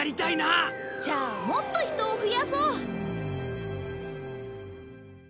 じゃあもっと人を増やそう！